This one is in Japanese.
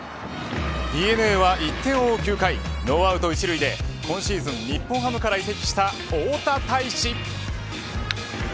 ＤｅＮＡは１点を追う９回ノーアウト１塁で、今シーズン日本ハムから移籍した大田泰示。